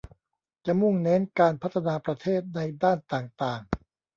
จะมุ่งเน้นการพัฒนาประเทศในด้านต่างต่าง